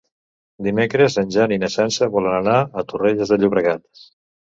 Dimecres en Jan i na Sança volen anar a Torrelles de Llobregat.